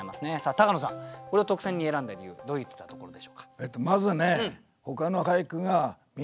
高野さんこれを特選に選んだ理由はどういったところでしょうか？